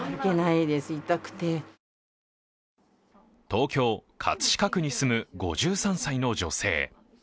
東京・葛飾区に住む５３歳の女性。